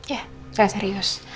ya saya serius